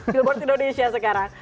billboard indonesia sekarang